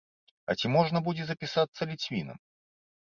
А ці можна будзе запісацца ліцвінам?